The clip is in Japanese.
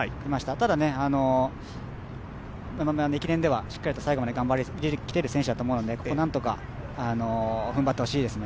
ただ、駅伝ではしっかりと最後まで頑張ってきている選手なので、なんとか踏ん張ってほしいですね。